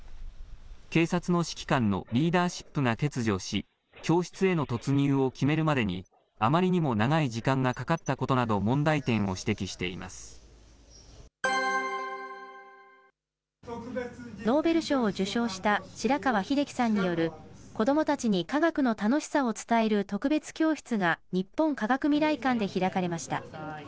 警察の指揮官のリーダーシップが欠如し、教室への突入を決めるまでに、あまりにも長い時間がかかったことノーベル賞を受賞した白川英樹さんによる、子どもたちに科学の楽しさを伝える特別教室が、日本科学未来館で開かれました。